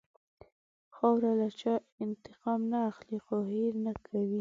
خاوره له چا انتقام نه اخلي، خو هېر نه کوي.